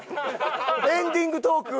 エンディングトーク？